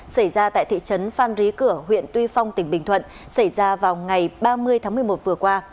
xảy ra tại thị trấn phan rí cửa huyện tuy phong tỉnh bình thuận xảy ra vào ngày ba mươi tháng một mươi một vừa qua